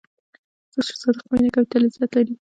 څوک چې صادق مینه کوي، تل عزت لري.